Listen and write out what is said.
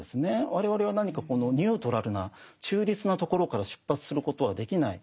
我々は何かニュートラルな中立なところから出発することはできない。